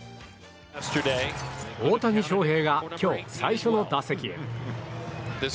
大谷翔平が今日最初の打席へ。